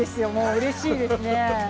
うれしいですね。